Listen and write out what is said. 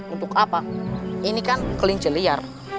untuk apa ini kan kelinci liar